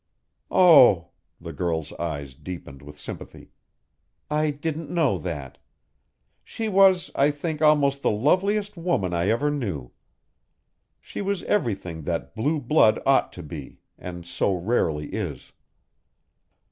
"Oh," the girl's eyes deepened with sympathy. "I didn't know that. She was, I think, almost the loveliest woman I ever knew. She was everything that blue blood ought to be and so rarely is."